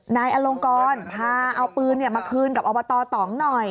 นายอลงกรพาเอาปืนมาคืนกับอบตตองหน่อย